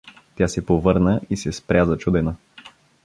Тя се повърна и се спря зачудена.